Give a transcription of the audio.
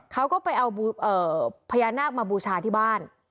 เขาก็ไปเอาพญานาคมาบูชาที่บ้าน